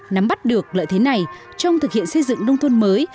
nắm bắt được lợi thế này trong thực hiện xây dựng nông thôn mới